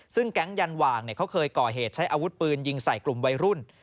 ซึ่งแก๊งยันหว่างเขาเคยก่อเหตุใช้อาวุธปืนยิงใส่กลุ่มวัยรุ่น